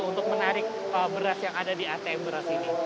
untuk menarik beras yang ada di atm beras ini